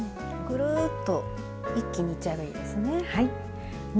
ぐるっと一気にいっちゃえばいいですね。